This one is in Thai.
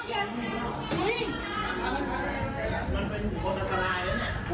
หมดแล้ว